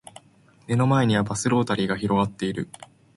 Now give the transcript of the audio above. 目の前にはバスロータリーが広がっている